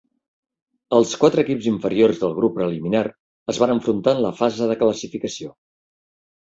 Els quatre equips inferiors del grup preliminar es van enfrontar en la fase de classificació.